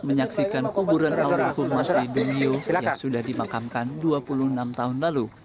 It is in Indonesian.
menyaksikan kuburan almarhum masi dunio yang sudah dimakamkan dua puluh enam tahun lalu